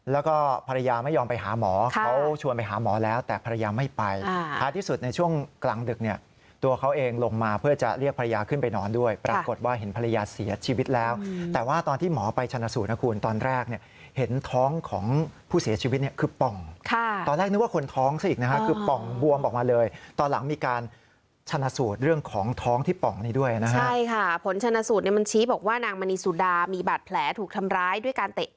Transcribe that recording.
แล้วก็ภรรยาไม่ยอมไปหาหมอเขาชวนไปหาหมอแล้วแต่ภรรยาไม่ไปค่ะที่สุดในช่วงกลางดึกเนี่ยตัวเขาเองลงมาเพื่อจะเรียกภรรยาขึ้นไปนอนด้วยปรากฏว่าเห็นภรรยาเสียชีวิตแล้วแต่ว่าตอนที่หมอไปชนสูตรนะคุณตอนแรกเนี่ยเห็นท้องของผู้เสียชีวิตเนี่ยคือป่องค่ะตอนแรกนึกว่าคนท้องซะอีกนะคะคือป่องบว